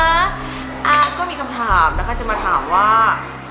ก็มีคำถามนะคะจะมาถามว่า